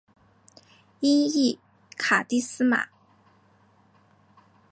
音译卡蒂斯玛。